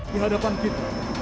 di hadapan fit